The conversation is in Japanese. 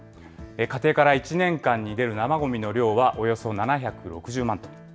家庭から１年間に出る生ごみの量は、およそ７６０万トン。